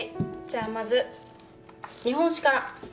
じゃあまず日本史から。